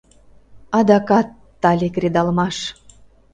Адакат тале кредалмаш...